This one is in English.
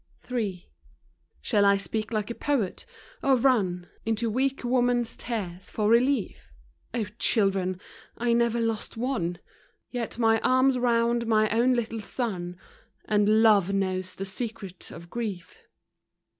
in. ShalL I speak like a poet, or run Into weak woman's tears for relief? Oh children !— I never lost one, — Yet my arm's round my own little son, And Love knows the secret of Grief.